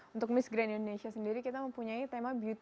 untuk miss grand indonesia sendiri kita mempunyai tema beauty